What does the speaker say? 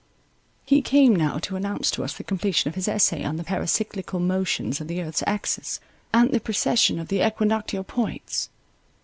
He came now to announce to us the completion of his Essay on the Pericyclical Motions of the Earth's Axis, and the precession of the equinoctial points.